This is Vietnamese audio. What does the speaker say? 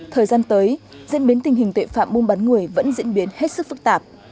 thời gian tới diễn biến tình hình tội phạm mùa bán người vẫn diễn biến hết sức phức tạp